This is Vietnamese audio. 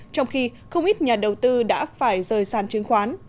trong khi không ít nhà đầu tư đã phải rời sàn chứng khoán